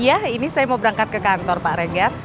iya ini saya mau berangkat ke kantor pak rengga